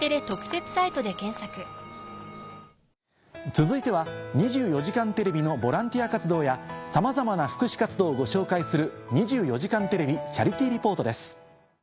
続いては『２４時間テレビ』のボランティア活動やさまざまな福祉活動をご紹介する。